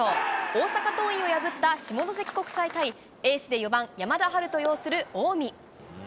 大阪桐蔭を破った下関国際対、エースで４番山田陽翔擁する近江。